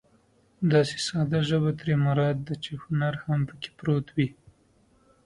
داسې ساده ژبه ترې مراد ده چې هنر هم پکې پروت وي.